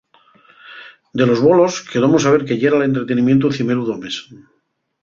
De los bolos quedómos saber que yera l'entretenimientu cimeru d'homes.